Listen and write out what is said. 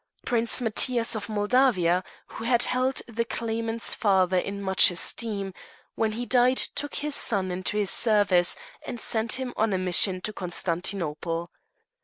Prince Matthias, of Moldavia, who had held the claimant's father in much esteem, when he died took his son into his service, and sent him on a mission to Constantinople.